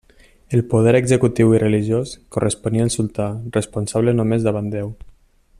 El poder executiu i religiós corresponia al sultà responsable només davant Déu.